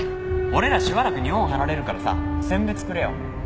俺らしばらく日本離れるからさ餞別くれよ。